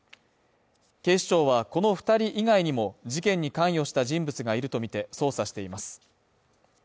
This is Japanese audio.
警視庁はこの２人以外にも事件に関与した人物がいるとみて捜査しています。